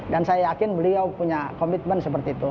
dan saya yakin beliau punya komitmen seperti itu